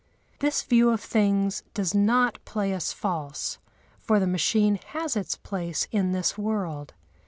This view of things does not play us false, for the machine has its place in this world.